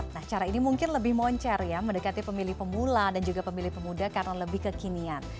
nah cara ini mungkin lebih moncer ya mendekati pemilih pemula dan juga pemilih pemuda karena lebih kekinian